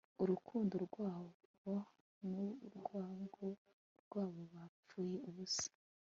urukundo rwabo n urwango rwabo bapfuye ubusa